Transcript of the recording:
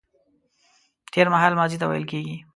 تېرمهال ماضي ته ويل کيږي